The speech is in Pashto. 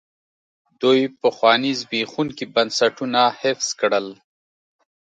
دوی پخواني زبېښونکي بنسټونه حفظ کړل.